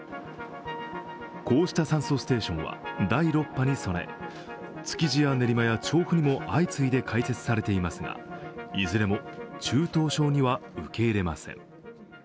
こうした酸素ステーションは第６波に備え、築地や練馬や調布にも相次いで開設されていますが、いずれも中等症Ⅱは受け入れません。